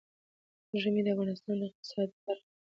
ژمی د افغانستان د اقتصاد برخه ده.